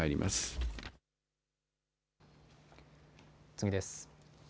次です。